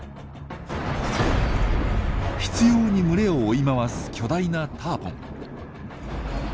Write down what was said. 執拗に群れを追い回す巨大なターポン。